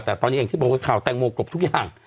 แต่ตอนนี้แห่งที่เบาไหวข่าวแตงโมกลบทุกอย่าง